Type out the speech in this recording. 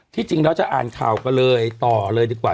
ที่จริงแล้วจะอ่านข่าวกันเลยต่อเลยดีกว่า